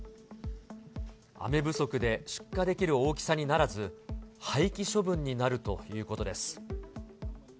雨不足で出荷できる大きさにならず、廃棄処分になるということです。